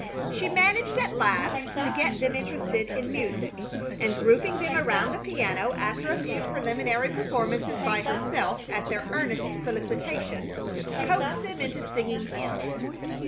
She managed at last to get them interested in music, and, grouping them around the piano after a few preliminary performances by herself at their earnest solicitation, coaxed them into singing hymns.